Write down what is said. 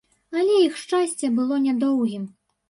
Але іх шчасце было нядоўгім.